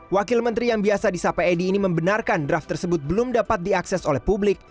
wakil menteri yang biasa disapai edi ini membenarkan draft tersebut belum dapat diakses oleh publik